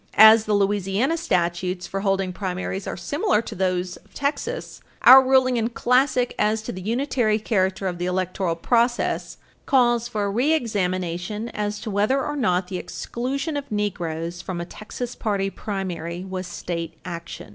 As the Louisiana statutes for holding primaries are similar to those of Texas, our ruling in Classic as to the unitary character of the electoral process calls for a reexamination as to whether or not the exclusion of Negroes from a Texas party primary was state action.